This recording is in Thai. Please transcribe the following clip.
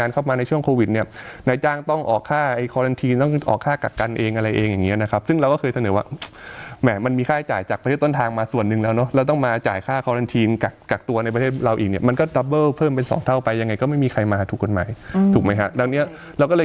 เข้ามาในช่วงโควิดเนี่ยนายจ้างต้องออกค่าไอ้คอลันทีนต้องออกค่ากักกันเองอะไรเองอย่างเงี้นะครับซึ่งเราก็เคยเสนอว่าแหม่มันมีค่าจ่ายจากประเทศต้นทางมาส่วนหนึ่งแล้วเนอะเราต้องมาจ่ายค่าคอลันทีนกักตัวในประเทศเราอีกเนี่ยมันก็ดับเบิ้ลเพิ่มเป็นสองเท่าไปยังไงก็ไม่มีใครมาถูกกฎหมายถูกไหมฮะดังเนี้ยเราก็เลย